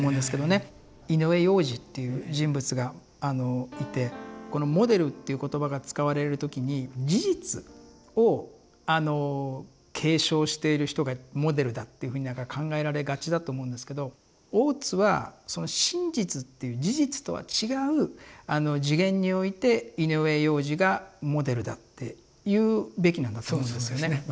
井上洋治っていう人物がいてこのモデルっていう言葉が使われる時に事実を継承している人がモデルだっていうふうに考えられがちだと思うんですけど大津はその真実っていう事実とは違う次元において井上洋治がモデルだって言うべきなんだと思うんですね。